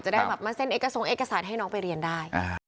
จะได้มาเส้นส่งเอกสารให้น้องไปเรียนได้